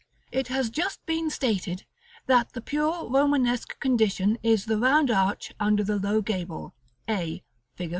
It has just been stated that the pure Romanesque condition is the round arch under the low gable, a, Fig.